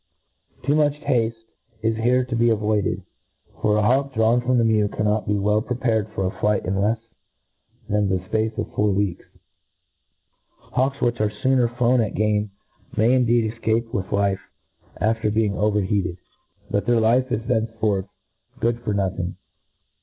Too muchhaftc is here to.bcjt yoidcd j MODERN FAULCONRY. aojf voided ; for a hawk drawn from the mew can f not.be well prepared for flight in lefs than the fpacc of four weeks. Hawks which arc fooher flown at game may indeed efcape with life after being over heated 5 but their life is thenceforth good for nothing.